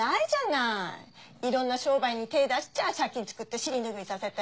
いろんな商売に手出しちゃ借金作って尻拭いさせて。